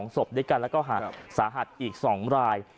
๒ศพด้วยกันแล้วก็สาหัสอีก๒ราย